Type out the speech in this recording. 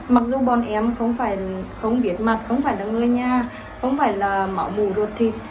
mặc dù bọn em không biết mặt không phải là người nha không phải là mạo mù ruột thịt